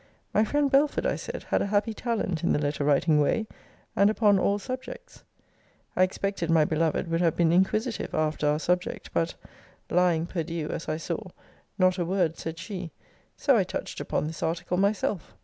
My friend Belford, I said, had a happy talent in the letter writing way; and upon all subjects. I expected my beloved would have been inquisitive after our subject: but (lying perdue, as I saw) not a word said she. So I touched upon this article myself.